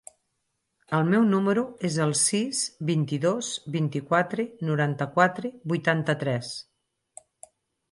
El meu número es el sis, vint-i-dos, vint-i-quatre, noranta-quatre, vuitanta-tres.